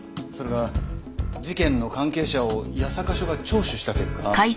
それが事件の関係者を八坂署が聴取した結果。